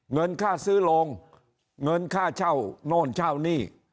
เงินค่าซื้อโรงเงินค่าเช่าโน่นเช่าหนี้